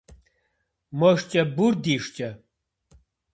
Мо шкӏэ бур ди шкӏэ?